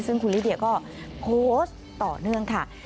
ซึ่งคุณลิเดียก็โพสต์ต่อเนื่องค่ะ